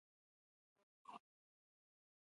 کور د کورنۍ غړو ته خوشحالي بښي.